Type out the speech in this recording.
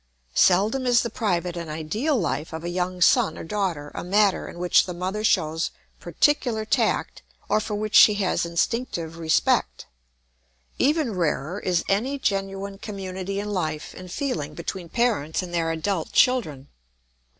Seldom is the private and ideal life of a young son or daughter a matter in which the mother shows particular tact or for which she has instinctive respect. Even rarer is any genuine community in life and feeling between parents and their adult children.